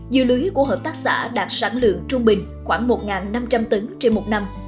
dưa lưới của hợp tác xã đạt sản lượng trung bình khoảng một năm trăm linh tấn trên một năm